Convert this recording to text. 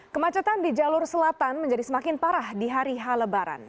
kemacetan di jalur selatan menjadi semakin parah di hari h lebaran